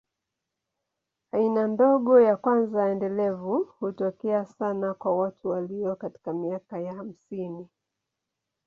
Aina ndogo ya kwanza endelevu hutokea sana kwa watu walio katika miaka ya hamsini.